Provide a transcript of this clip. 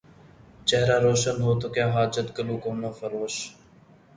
چہرہ روشن ہو تو کیا حاجت گلگونہ فروش